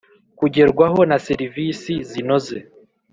kugerwaho na serivisi zinoze,